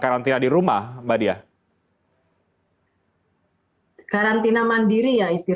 karantina mandiri ya istilahnya ya kalau dari aturan itu